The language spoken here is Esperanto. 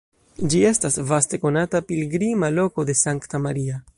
Ĝi estas vaste konata pilgrima loko de Sankta Maria.